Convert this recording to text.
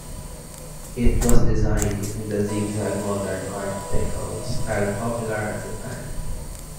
It was designed in the Zigzag Moderne Art Deco style popular at the time.